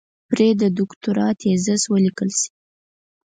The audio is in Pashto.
پرې د دوکتورا تېزس وليکل شي.